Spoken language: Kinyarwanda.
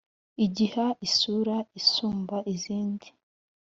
igiha isura isumba izindi